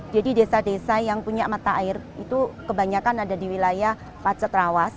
jadi desa desa yang punya mata air itu kebanyakan ada di wilayah pacat rawas